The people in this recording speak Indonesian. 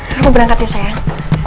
lo berangkat ya sayang